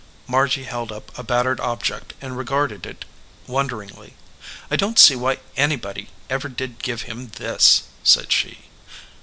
Margy held up a battered object and regarded it wonder ingly. "I don t see why anybody ever did give him this," said she.